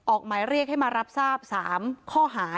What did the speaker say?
หมายเรียกให้มารับทราบ๓ข้อหา